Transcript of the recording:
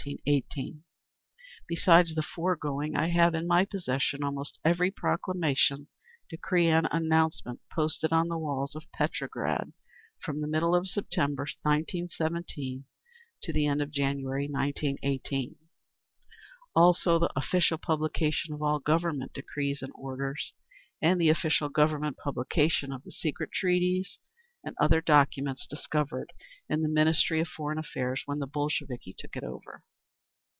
Besides the foregoing, I have in my possession almost every proclamation, decree and announcement posted on the walls of Petrograd from the middle of September, 1917, to the end of January, 1918. Also the official publication of all Government decrees and orders, and the official Government publication of the secret treaties and other documents discovered in the Ministry of Foreign Affairs when the Bolsheviki took it over.